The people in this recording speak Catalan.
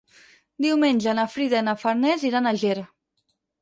Diumenge na Frida i na Farners iran a Ger.